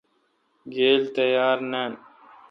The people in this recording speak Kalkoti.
گیل تیار نان۔